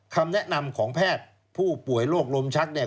คำแนะนำของแพทย์ผู้ป่วยโรคลมชักเนี่ย